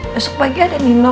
besok pagi ada nino